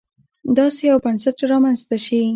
داسې یو بنسټ رامنځته شي.